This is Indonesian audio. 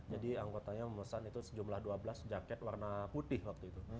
jadi anggotanya memesan itu sejumlah dua belas jaket warna putih waktu itu